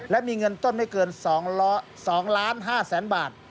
และมีเงินต้นไม่เกิน๒๕๐๐๐๐บาท